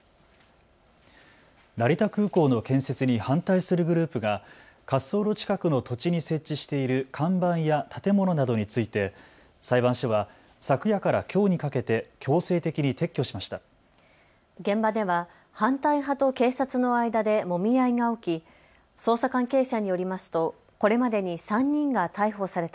成田空港の建設に反対するグループが滑走路近くの土地に設置している看板や建物などについて裁判所は昨夜からきょうにかけて強制的に撤去しました。